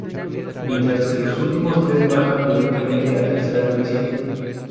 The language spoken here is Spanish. Mientras que los últimos tres bajan directamente a Tercera División.